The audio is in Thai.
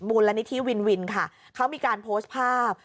มูลนิธิวินวินค่ะเขามีการโพสต์ภาพ